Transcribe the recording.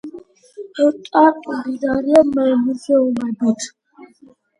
ტარტუ მდიდარია მუზეუმებით.